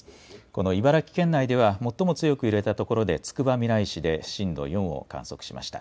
この茨城県内では、最も強く揺れた所でつくばみらい市で震度４を観測しました。